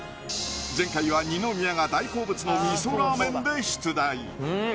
前回は二宮が大好物の味噌ラーメンで出題